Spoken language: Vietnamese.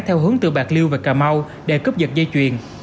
theo hướng từ bạc liêu và cà mau để cướp dật dây chuyền